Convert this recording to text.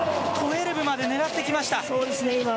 １２６０まで狙ってきました。